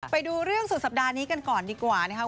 ไปดูเรื่องสุดสัปดาห์นี้กันก่อนดีกว่านะครับ